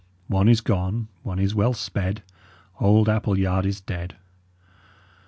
One is gone; one is wele sped; Old Apulyaird is ded.